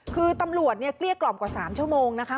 คือตำรวจเกรียดกรอบกว่าสามชั่วโมงนะคะ